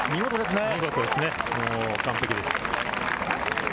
見事ですね、完璧です。